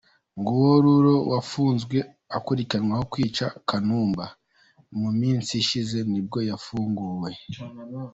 Nguwo Lulu wafunzwe akurikiranweho kwica Kanumba, mu minsi ishize nibwo yafunguwe.